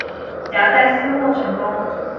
夾帶私貨成功